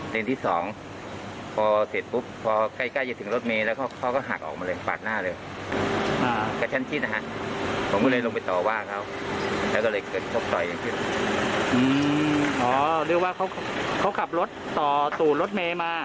อ๋อเรียกว่าเขากลับรถต่อตู่รถเมมา